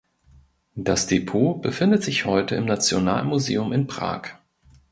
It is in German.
Das Depot befindet sich heute im Nationalmuseum in Prag.